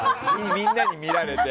みんなに見られて。